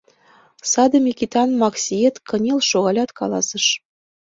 Саде Микитан Максиет кынел шогалят, каласыш: